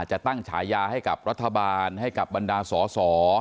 จะตั้งฉายาให้กับรัฐบาลให้กับบรรดาสอสอ